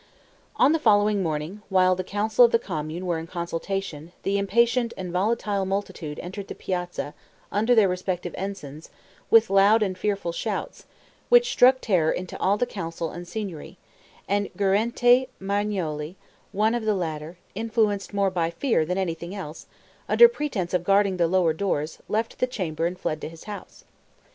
On the following morning, while the Council of the Commune were in consultation, the impatient and volatile multitude entered the piazza, under their respective ensigns, with loud and fearful shouts, which struck terror into all the Council and Signory; and Guerrente Marignolli, one of the latter, influenced more by fear than anything else, under pretense of guarding the lower doors, left the chamber and fled to his house.